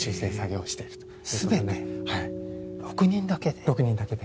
はい６人だけで？